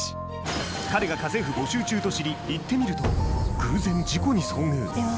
彼が家政婦募集中と知り、行ってみると、偶然、事故に遭遇。